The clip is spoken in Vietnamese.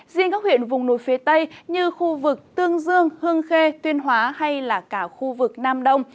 riêng các huyện vùng núi phía tây như khu vực tương dương hương khê tuyên hóa hay là cả khu vực nam đông